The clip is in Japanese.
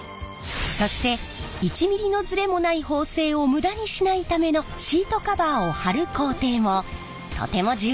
そして１ｍｍのズレもない縫製を無駄にしないためのシートカバーを張る工程もとても重要な作業。